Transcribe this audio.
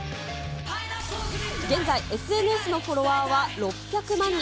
現在、ＳＮＳのフォロワーは６００万人。